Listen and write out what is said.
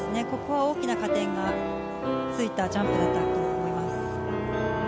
ここは大きな加点がついたジャンプだったと思います。